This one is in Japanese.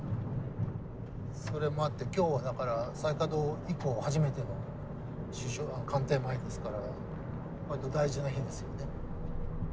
それもあって今日はだから再稼働以降初めての首相官邸前ですから大事な日ですよね。